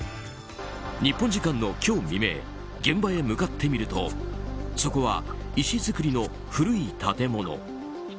日本時間の今日未明現場へ向かってみるとそこは、石造りの古い建物。